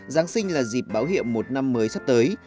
giáng sinh là dịp báo hiệu một năm mới sắp tới